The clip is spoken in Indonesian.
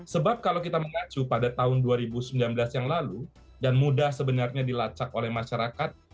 sebab kalau kita mengacu pada tahun dua ribu sembilan belas yang lalu dan mudah sebenarnya dilacak oleh masyarakat